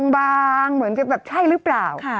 บางเหมือนกับแบบใช่หรือเปล่า